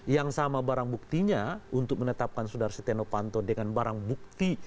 yang sama barang buktinya untuk menetapkan saudara stenopanto dengan barang bukti